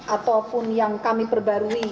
ataupun yang kami perbarui